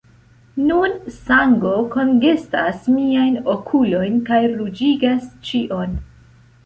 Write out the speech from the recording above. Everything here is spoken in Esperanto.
Nun, sango kongestas miajn okulojn, kaj ruĝigas ĉion.